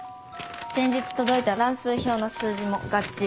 先日届いた乱数表の数字も合致。